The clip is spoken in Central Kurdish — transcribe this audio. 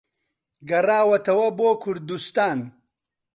گەڕاوەتەوە بۆ کوردوستان